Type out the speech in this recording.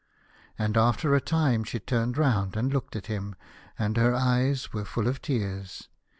And after a time she turned round and looked at him, and her eyes were full of tears.